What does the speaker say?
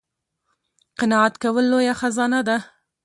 قناعت کول لویه خزانه ده